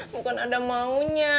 bukan ada maunya